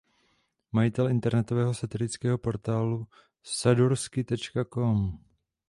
Majitel internetového satirického portálu Sadurski.com.